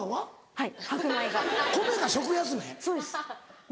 はい。